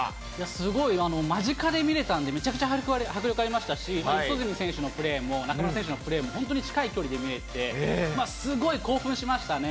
すごい、間近で見れたんで、めちゃくちゃ迫力ありましたし、四十住選手のプレーも、中村選手のプレーも本当に近い距離で見れて、すごい興奮しましたね。